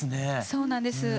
そうなんです。